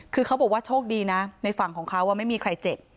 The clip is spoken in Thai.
คือเขาบอกว่าโชคดีนะในฝั่งของเขาไม่มีใครเจ็บ